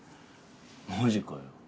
マジかよ。